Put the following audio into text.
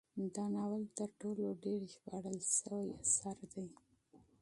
دا ناول تر ټولو ډیر ژباړل شوی اثر دی.